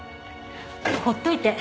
ほっといて。